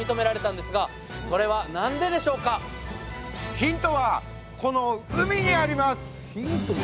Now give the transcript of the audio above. ヒントはこの海にあります。